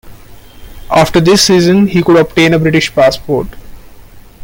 After this season he could obtain a British passport.